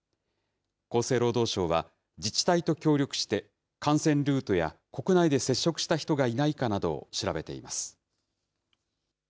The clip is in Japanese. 厚生労働省は、自治体と協力して、感染ルートや、国内で接触した人がいないかなどを調べています。